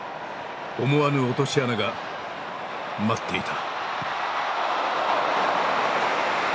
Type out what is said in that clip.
思わぬ落とし穴が待っていた。